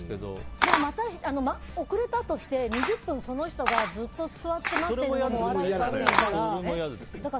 でも、２０分遅れたとしてその人がずっと座って待ってるのも悪いから。